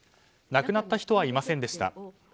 亡くなった人はいませんでした。